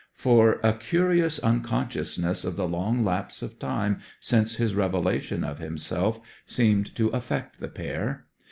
For a curious unconsciousness of the long lapse of time since his revelation of himself seemed to affect the pair.